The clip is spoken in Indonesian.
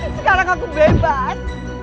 sekarang aku bebas